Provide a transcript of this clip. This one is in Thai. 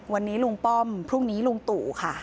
วันนี้ลุงป้อมพรุ่งนี้ลุงตู่ค่ะ